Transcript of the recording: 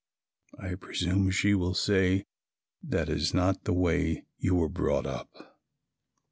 I presume she will say "that is not the way you were brought up."